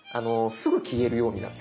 すぐ消えるようになる。